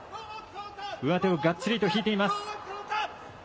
上手をがっちりと引いています。